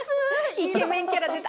イケメンキャラ出た。